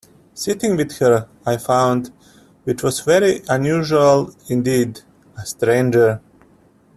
Sitting with her, I found — which was very unusual indeed — a stranger.